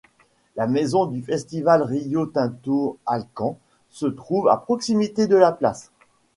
La Maison du Festival Rio Tinto Alcan se trouve à proximité de la place.